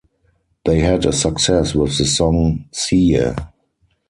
They had a success with the song "Si Yeah".